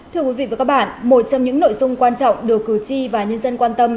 thưa quý vị và các bạn một trong những nội dung quan trọng được cử tri và nhân dân quan tâm